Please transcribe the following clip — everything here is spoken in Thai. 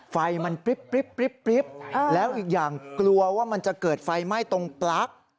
ไฟมันปริ๊บแล้วอีกอย่างกลัวว่ามันจะเกิดไฟไหม้ตรงปลั๊ก